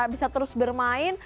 bisa terus bermain